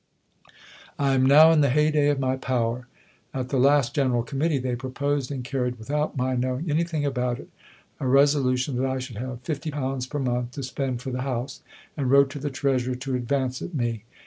I am now in the hey day of my power. At the last General Committee they proposed and carried (without my knowing anything about it) a resolution that I should have £50 per month to spend for the House, and wrote to the Treasurer to advance it me.